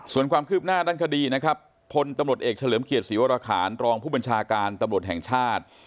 ส่วนความคืบหน้าด้านคดีนะครับพลตำรวจเอกเฉลิมเกียรติศรีวรคารรองผู้บัญชาการตำรวจแห่งชาติ